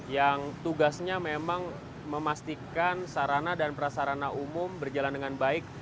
yang tugasnya memang memastikan sarana dan prasarana umum berjalan dengan baik